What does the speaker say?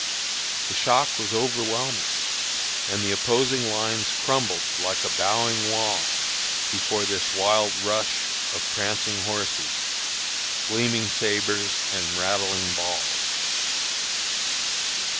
The shock was overwhelming; and the opposing lines crumbled like a "bowing wall" before this wild rush of prancing horses, gleaming sabres, and rattling balls.